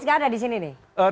mas arief nggak ada di sini nih